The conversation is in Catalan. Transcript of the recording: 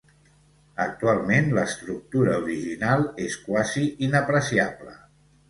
Actualment l'estructura original és quasi inapreciable.